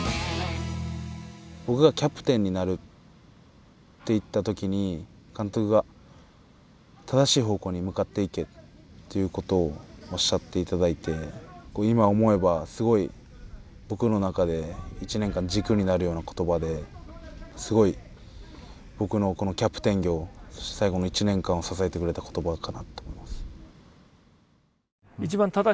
僕が「キャプテンになる」って言った時に監督が「正しい方向に向かっていけ」っていうことをおっしゃっていただいて今思えばすごい僕の中で１年間軸になるような言葉ですごい僕のこのキャプテン業最後の１年間を支えてくれた言葉かなと思います。